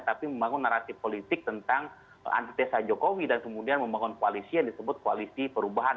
tapi membangun narasi politik tentang antitesa jokowi dan kemudian membangun koalisi yang disebut koalisi perubahan